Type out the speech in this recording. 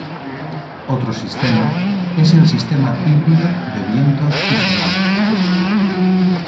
Otro sistema es el sistema híbrido de viento y solar.